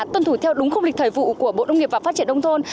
trong lịch thời vụ của bộ nông nghiệp và phát triển đông thôn